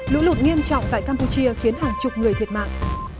lũ lụt nghiêm trọng tại campuchia khiến hàng chục người thiệt mạng